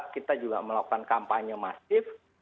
kita juga melakukan kampanye masif